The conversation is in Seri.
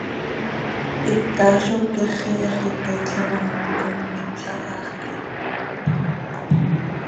Hita, ¿zó cyáxiya, xiica itleen oo mooquim imiipla haaj quih?